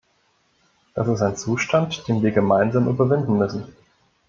Das ist ein Zustand, den wir gemeinsam überwinden müssen.